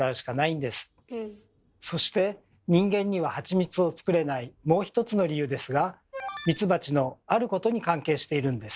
そして人間にはハチミツを作れないもう一つの理由ですがミツバチのあることに関係しているんです。